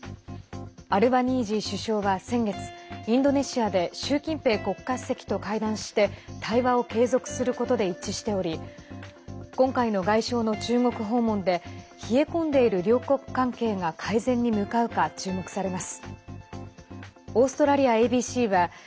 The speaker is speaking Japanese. アルバニージー首相は先月インドネシアで習近平国家主席と会談して対話を継続することで一致しており今回の外相の中国訪問で冷え込んでいる両国関係が改善に向かうか注目されます。